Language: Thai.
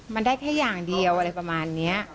มันได้แค่อย่างเดียวอะไรประมาณนี้